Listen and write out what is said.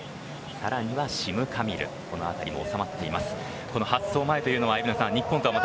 さらにはシムカミルこのあたり、収まっています。